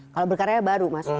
kalau berkarya baru mas